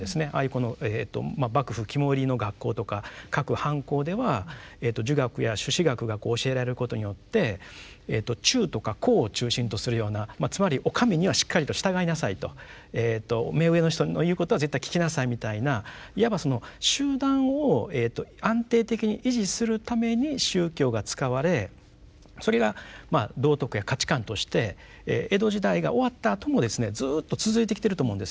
この幕府肝煎りの学校とか各藩校では儒学や朱子学がこう教えられることによって「忠」とか「孝」を中心とするようなつまり「お上にはしっかりと従いなさい」と「目上の人の言うことは絶対聞きなさい」みたいないわば集団を安定的に維持するために宗教が使われそれがまあ道徳や価値観として江戸時代が終わったあともですねずっと続いてきてると思うんですよ。